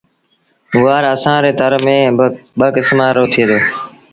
گُوآر اسآݩ ري تر ميݩ ٻآ ڪسمآݩ رو ٿئي دو۔